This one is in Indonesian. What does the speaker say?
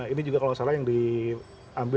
ini juga kalau salah yang diambil